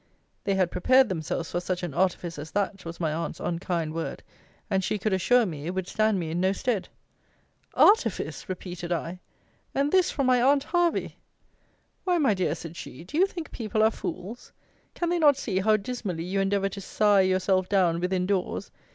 They had prepared themselves for such an artifice as that, was my aunt's unkind word; and she could assure me, it would stand me in no stead. Artifice! repeated I: and this from my aunt Hervey? Why, my dear, said she, do you think people are fools? Can they not see how dismally you endeavour to sigh yourself down within doors?